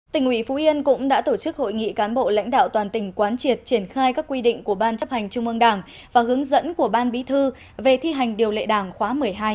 tỉnh ủy phú yên cũng đã tổ chức hội nghị cán bộ lãnh đạo toàn tỉnh quán triệt triển khai các quy định của ban chấp hành trung ương đảng và hướng dẫn của ban bí thư về thi hành điều lệ đảng khóa một mươi hai